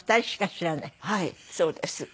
はいそうです。